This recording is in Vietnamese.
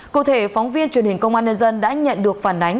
cụ thể phóng viên truyền hình công an nhân dân đã nhận được phản ánh